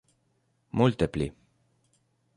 Multe pli.